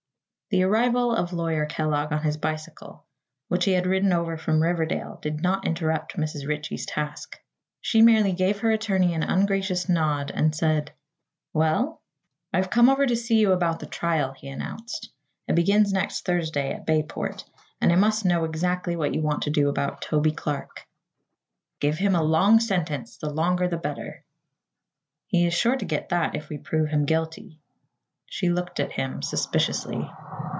The arrival of Lawyer Kellogg on his bicycle, which he had ridden over from Riverdale, did not interrupt Mrs. Ritchie's task. She merely gave her attorney an ungracious nod and said: "Well?" "I've come over to see you about the trial," he announced. "It begins next Thursday, at Bayport, and I must know exactly what you want to do about Toby Clark." "Give him a long sentence the longer the better." "He is sure to get that if we prove him guilty." She looked at him suspiciously.